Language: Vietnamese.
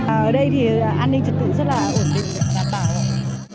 ở đây thì an ninh trật tự rất là ổn định đảm bảo rồi